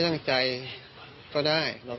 ต่างฝั่งในบอสคนขีดบิ๊กไบท์